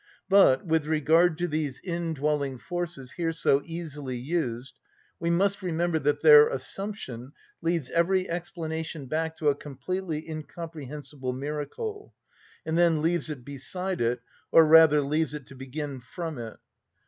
But, with regard to these "indwelling forces" here so easily used, we must remember that their assumption leads every explanation back to a completely incomprehensible miracle, and then leaves it beside it, or rather leaves it to begin from it.